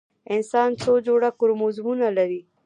انسان څو جوړه کروموزومونه لري؟